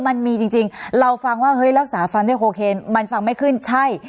มันมีจริงเราฟังว่าเฮ้ยรักษาฟันได้โอเคมันฟังไม่ขึ้นใช่